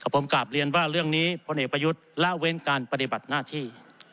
ผมกลับเรียนว่าเรื่องนี้พลเอกประยุทธ์ละเว้นการปฏิบัติหน้าที่